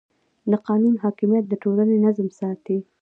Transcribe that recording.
د قانون حاکمیت د ټولنې نظم ساتي.